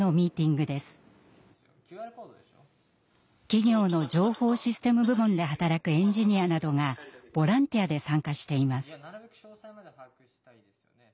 企業の情報システム部門で働くエンジニアなどがボランティアで参加しています。